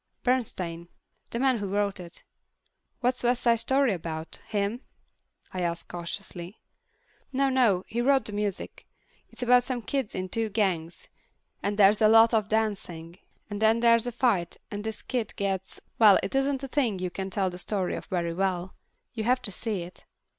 "Bernstein. The man who wrote it." "What's West Side Story about, him?" I ask cautiously. "No, no—he wrote the music. It's about some kids in two gangs, and there's a lot of dancing, and then there's a fight and this kid gets—well, it isn't a thing you can tell the story of very well. You have to see it."